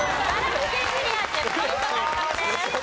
１０ポイント獲得です。